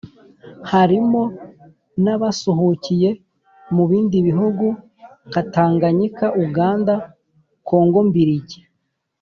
harimo n’abasuhukiye mu bindi bihugu nka Tanganyika Uganda na Congo Mbiligi.